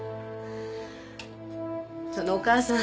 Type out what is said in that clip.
そのお母さん